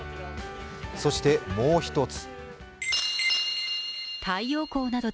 そしてもう一つ。